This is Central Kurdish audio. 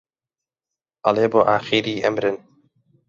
ئەڵێ بۆ ئاخری ئەمرن